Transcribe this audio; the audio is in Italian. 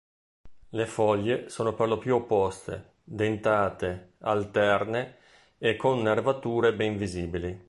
Le foglie sono per lo più opposte, dentate, alterne e con nervature ben visibili.